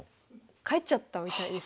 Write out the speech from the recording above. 帰っちゃったみたいですね。